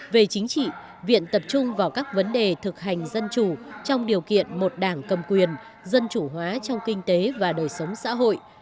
về chính trị viện tập trung vào các vấn đề thực hành dân chủ trong điều kiện một đảng cầm quyền dân chủ hóa trong kinh tế và đời sống xã hội